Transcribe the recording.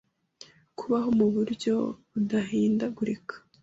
kubaho mu buryo budahindagurika